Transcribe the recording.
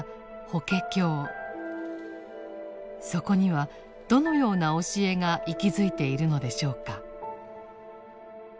そこにはどのような教えが息づいているのでしょうか。